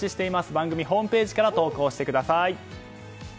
番組ホームページから投稿してください。